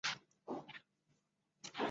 我的老天鹅啊